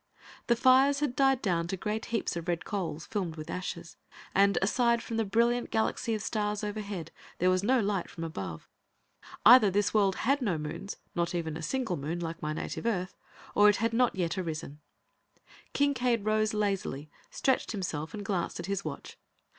The fires had died down to great heaps of red coals, filmed with ashes, and, aside from the brilliant galaxy of stars overhead, there was no light from above. Either this world had no moons, not even a single moon, like my native Earth, or it had not yet arisen. Kincaide rose lazily, stretched himself, and glanced at his watch.